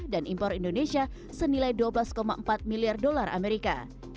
dan impor indonesia senilai dua belas empat miliar dolar amerika